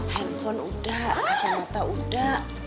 handphone udah kacamata udah